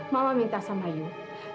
mama minta sama yuk